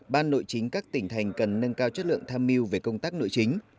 ban nội chính các tỉnh thành cần nâng cao chất lượng tham mưu về công tác nội chính